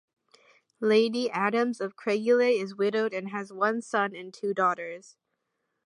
Lady Adams of Craigielea is widowed and has one son and two daughters.